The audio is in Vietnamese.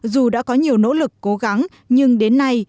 dù đã có nhiều nỗ lực cố gắng nhưng đến nay